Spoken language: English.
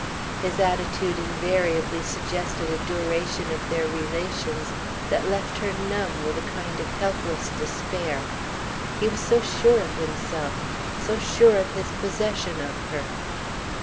His attitude invariably suggested a duration of their relations that left her numb with a kind of helpless despair. He was so sure of himself, so sure of his possession of her.